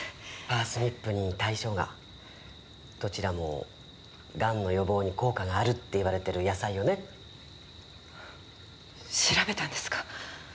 パースニップにタイショウガどちらもがんの予防に効果があるって言われてる野菜よね調べたんですか？